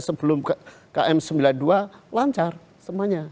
sebelum km sembilan puluh dua lancar semuanya